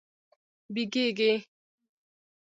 بیږیږې